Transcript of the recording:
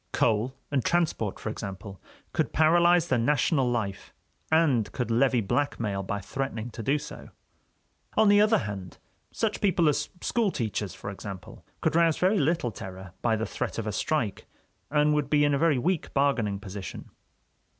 Coal and transport, for example, could paralyze the national life, and could levy blackmail by threatening to do so. On the other hand, such people as school teachers, for example, could rouse very little terror by the threat of a strike and would be in a very weak bargaining position.